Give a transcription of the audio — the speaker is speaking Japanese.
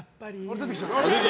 出てきちゃった！